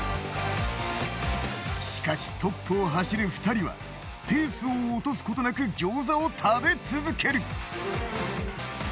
しかしトップを走る２人はペースを落とすことなく餃子を食べ続ける。